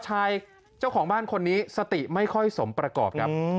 เจ้าของบ้านคนนี้สติไม่ค่อยสมประกอบครับ